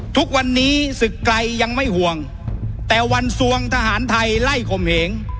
ทุกวันนี้ศึกไกรยังไม่ห่วงแต่วันสวงทหารไทยไล่ข่มเหง